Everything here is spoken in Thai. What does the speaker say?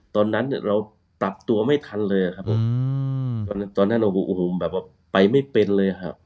ตอนนั้นเราปรับตัวไม่ทันเลยครับผมตอนนั้นแบบว่าไปไม่เป็นเลยครับ